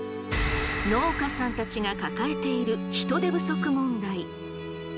農家さんたちが抱えている人手不足問題。